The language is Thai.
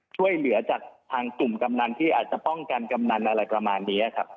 ช่วยเหลือจากทางกลุ่มกำนันที่อาจจะป้องกันกำนันอะไรประมาณนี้ครับ